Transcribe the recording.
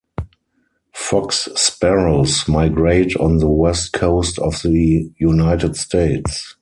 Fox sparrows migrate on the west coast of the United States.